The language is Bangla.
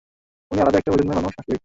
উনি আলাদা একটা প্রজন্মের মানুষ, আসলেই।